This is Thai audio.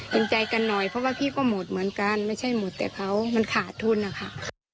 เป็นใจกันหน่อยเพราะว่าพี่ก็หมดเหมือนกันไม่ใช่หมดแต่เขามันขาดทุนนะคะ